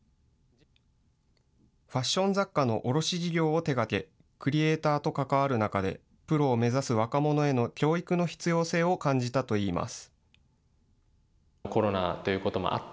ファッション雑貨の卸事業を手がけ、クリエイターと関わる中でプロを目指す若者への教育の必要性を感じたと言います。